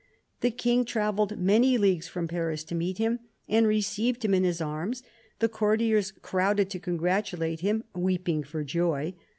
The King THE CARDINAL 233 travelled many leagues from Paris to meet him, and received him in his arms ; the courtiers crowded to con gratulate him, weeping for joy